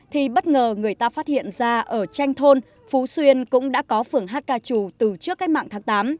thì bất ngờ người ta phát hiện ra ở tranh thôn phú xuyên cũng đã có phường hát ca trù từ trước cách mạng tháng tám